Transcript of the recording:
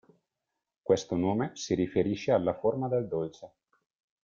Questo nome si riferisce alla forma del dolce.